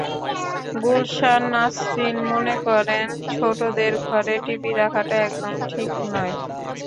গুলসান নাসরীন মনে করেন, ছোটদের ঘরে টিভি রাখাটা একদম ঠিক নয়।